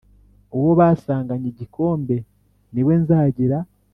Uwo basanganye igikombe ni we nzagira